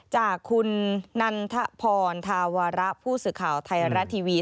จากคุณนันทพรธาวระผู้ศึกข่าวไทยรัตน์ทีวี